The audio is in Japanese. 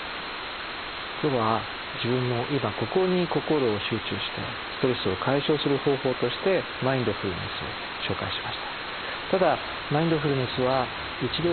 今日は自分の今・ここに心を集中してストレスを解消する方法としてマインドフルネスを紹介しました。